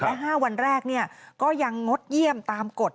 และ๕วันแรกก็ยังงดเยี่ยมตามกฎ